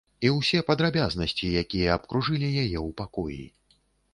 І ўсе падрабязнасці, якія абкружылі яе ў пакоі.